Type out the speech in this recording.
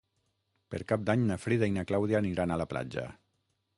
Per Cap d'Any na Frida i na Clàudia aniran a la platja.